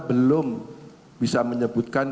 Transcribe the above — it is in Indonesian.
belum bisa menyebutkan